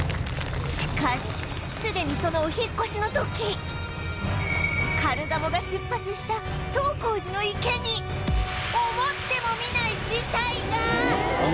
しかしすでにそのお引っ越しの時カルガモが出発した東光寺の池に思ってもみない事態が！